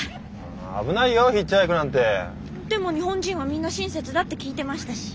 でも日本人はみんな親切だって聞いてましたし。